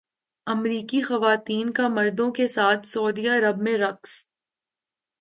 امریکی خواتین کا مردوں کے ساتھ سعودی عرب میں رقص